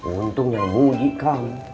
untungnya mudik kum